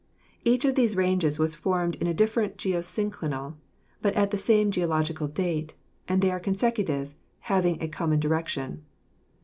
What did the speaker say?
Each of these ranges was formed in a different geosynclinal, but at the same geological date, and they are consecutive, having a com mon direction.